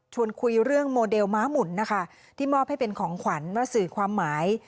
คุยเรื่องโมเดลม้าหมุนนะคะที่มอบให้เป็นของขวัญว่าสื่อความหมาย